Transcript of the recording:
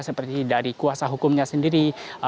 seperti dari kuasa hukumnya sendiri